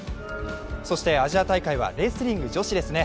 そして、アジア大会はレスリング女子ですね。